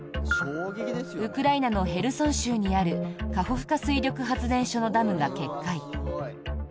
ウクライナのヘルソン州にあるカホフカ水力発電所のダムが決壊。